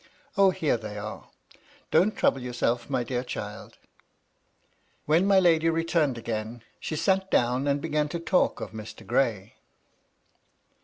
O, here they are ! don't trouble yourself, my dear child." When my lady returned again, she sat down and began to talk of Mr. Gray.